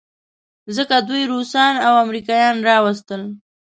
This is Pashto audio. ځکه دوی روسان او امریکایان راوستل.